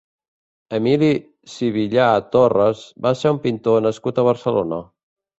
Emili Sivillà Torres va ser un pintor nascut a Barcelona.